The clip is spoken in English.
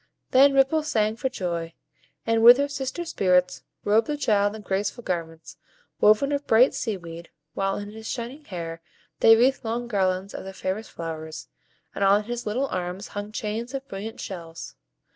Then Ripple sang for joy, and, with her sister Spirits, robed the child in graceful garments, woven of bright sea weed, while in his shining hair they wreathed long garlands of their fairest flowers, and on his little arms hung chains of brilliant shells.